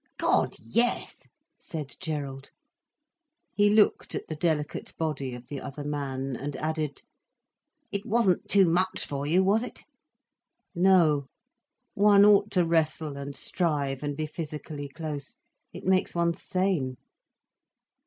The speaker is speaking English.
"God, yes," said Gerald. He looked at the delicate body of the other man, and added: "It wasn't too much for you, was it?" "No. One ought to wrestle and strive and be physically close. It makes one sane."